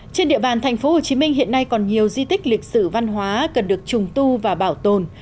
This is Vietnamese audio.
trên địa bàn tp hcm hiện nay còn nhiều di tích lịch sử văn hóa cần được trùng tu và bảo tồn